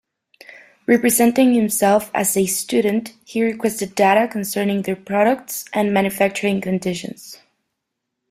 Representing himself as a student, he requested data concerning their products and manufacturing conditions.